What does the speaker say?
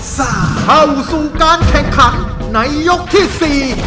สาเหาสู่การแข่งขังในยกที่๔